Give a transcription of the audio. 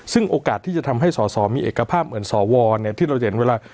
ซึ่งโอกาสที่จะทำให้สอสอมีเอกภาพเหมือนสวที่เราเห็นเวลา